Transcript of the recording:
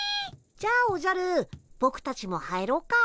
じゃあおじゃるぼくたちも入ろっか。